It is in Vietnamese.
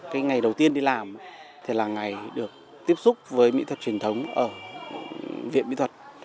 cái ngày đầu tiên đi làm thì là ngày được tiếp xúc với mỹ thuật truyền thống ở viện mỹ thuật